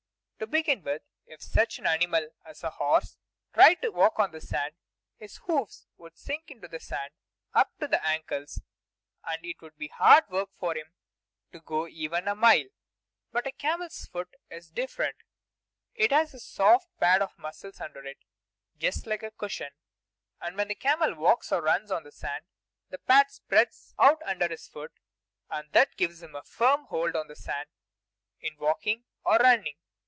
To begin with, if such an animal as a horse tried to walk on the sand, his hoofs would sink into the sand up to the ankles, and it would be hard work for him to go even a mile. But a camel's foot is different. It has a soft pad of muscles under it, just like a cushion; and when the camel walks or runs on the sand, the pad spreads out under his foot, and that gives him a firm hold on the sand in walking or running.